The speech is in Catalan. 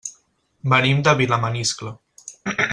Venim de Vilamaniscle.